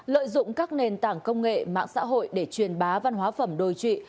lợi dụng các nền tảng công nghệ mạng xã hội để truyền bá văn hóa phẩm đôi trị